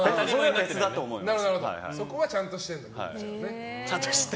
そこはちゃんとしてるんだ。